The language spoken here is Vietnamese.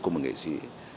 của một nghệ sĩ